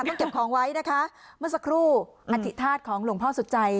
ต้องเก็บของไว้นะคะเมื่อสักครู่อธิธาตุของหลวงพ่อสุจัย